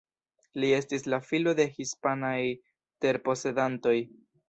Li estis la filo de hispanaj terposedantoj.